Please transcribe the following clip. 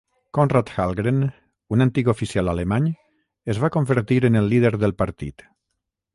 Konrad Hallgren, un antic oficial alemany, es va convertir en el líder del partit.